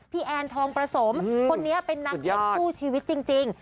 พี่แอนทองประสมคนนี้เป็นนางเอกสู้ชีวิตจริง